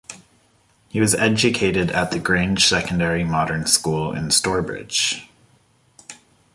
He was educated at the Grange Secondary Modern School in Stourbridge.